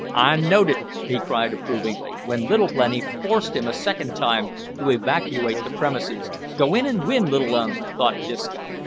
"I knowed it," he cried approvingly, when Little Blenny forced him a second time to evacuate the premises, "Go in an' win, little 'un," thought Disco.